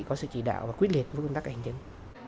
có sự chỉ đạo và quyết liệt với công tác hành chính